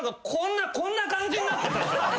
こんな感じになってたんですよ。